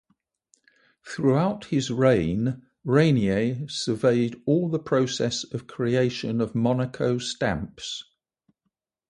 Throughout his reign, Rainier surveyed all the process of creation of Monaco stamps.